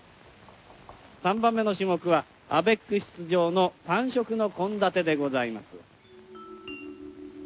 ３番目の種目はアベック出場のパン食の献立でございます。